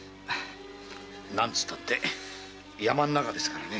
何てったって山ん中ですからね。